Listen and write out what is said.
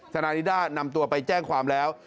ทนายนิด้านำตัวไปแจ้งความแล้ว